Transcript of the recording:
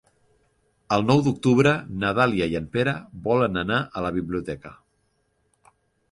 El nou d'octubre na Dàlia i en Pere volen anar a la biblioteca.